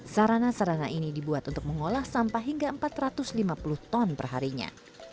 sarana sarana ini dibuat untuk mengolah sampah hingga empat ratus lima puluh ton perharinya